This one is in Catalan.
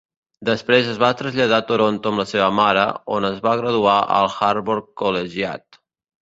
Després, es va traslladar a Toronto amb la seva mare, on es va graduar al Harbord Collegiate.